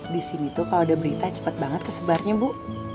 di sini tuh kalau ada berita cepat banget kesebarnya bu